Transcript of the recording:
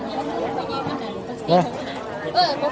สวัสดีทุกคน